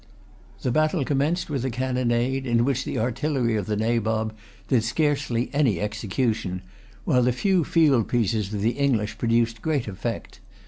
The battle commenced with a cannonade in which the artillery of the Nabob did scarcely any execution, while the few fieldpieces of the English produced great effect.